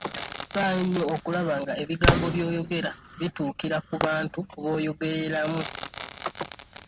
Faayo nnyo okulaba nga ebigambo by'oyogera bituukira ku bantu b'oyogerera mu.